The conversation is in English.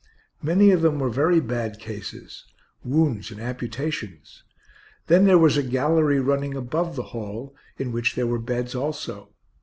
Many of them were very bad cases, wounds and amputations. Then there was a gallery running above the hall, in which there were beds also.